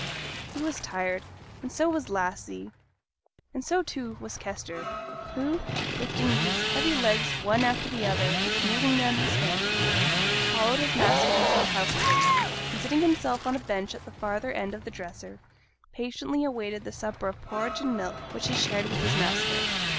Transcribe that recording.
He was tired, and so was Lassie, and so, too, was Kester, who, lifting his heavy legs one after the other, and smoothing down his hair, followed his master into the house place, and seating himself on a bench at the farther end of the dresser, patiently awaited the supper of porridge and milk which he shared with his master.